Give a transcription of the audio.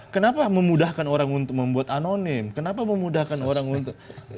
kenapa memudahkan orang untuk membuat anonim kenapa memudahkan orang untuk